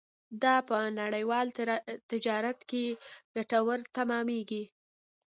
دا په نړیوال تجارت کې ګټور تمامېږي.